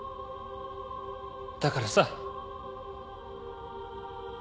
だからさ